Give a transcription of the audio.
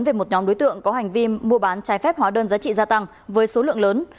về một nhóm đối tượng có hành vi mua bán trái phép hóa đơn giá trị gia tăng với số lượng lớn